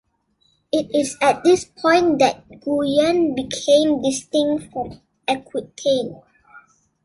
It is at this point that Guyenne became distinct from Aquitaine.